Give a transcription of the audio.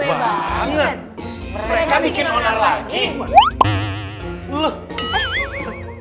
mereka bikin onar lagi